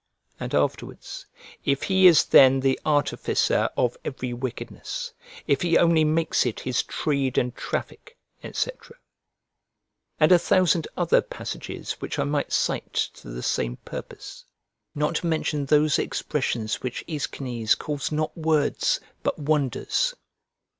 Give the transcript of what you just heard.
And afterwards: "If he is then the artificer of every wickedness, if he only makes it his trade and traffic," &c. And a thousand other passages which I might cite to the same purpose; not to mention those expressions which Aeschines calls not words, but wonders.